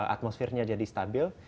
atmosfernya jadi stabil